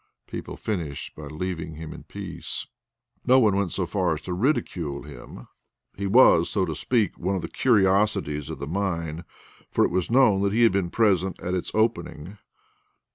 People finished by leaving him in peace. No one went so far as to ridicule him. He was, so to speak, one of the curiosities of the mine, for it was known that he had been present at its opening.